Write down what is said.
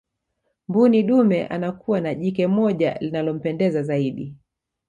mbuni dume anakuwa na jike moja linalompendeza zaidi